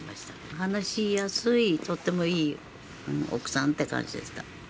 話しやすい、とってもいい奥さんっていう感じでした。